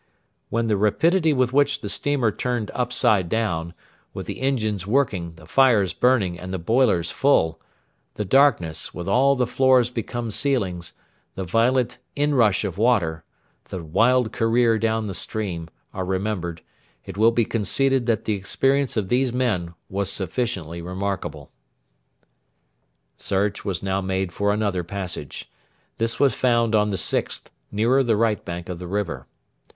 When the rapidity with which the steamer turned upside down, with the engines working, the fires burning, and the boilers full the darkness, with all the floors become ceilings the violent inrush of water the wild career down the stream are remembered, it will be conceded that the experience of these men was sufficiently remarkable. Search was now made for another passage. This was found on the 6th, nearer the right bank of the river.